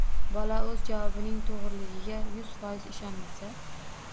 Bola o‘z javobining to‘g‘riligiga yuz foiz ishonmasa